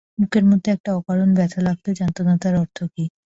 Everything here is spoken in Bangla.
বুকের মধ্যে একটা অকারণ ব্যথা লাগত, জানত না তার অর্থ কী।